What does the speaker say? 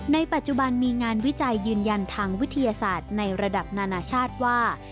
ในปัจจุบันมีงานวิจัยยืนยันทางวิทยาศาสตร์ในระดับนานาชาติว่า